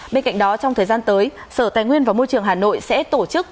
bên cạnh đó trong thời gian tới sở tài nguyên và môi trường hà nội sẽ tổ chức